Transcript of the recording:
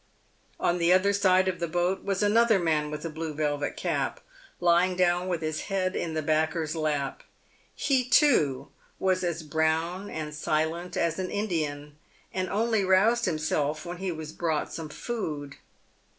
On the other side of the boat was another man with a blue velvet cap, lying down with his head in the backer's lap. He, too, was as brown and silent as an Indian, and only roused himself when he was brought some food.